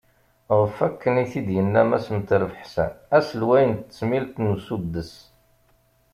Ɣef wakken i t-id-yenna Mass Metref Ḥsen, aselway n tesmilt n usuddes.